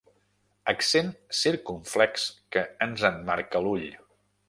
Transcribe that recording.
Accent circumflex que ens emmarca l'ull.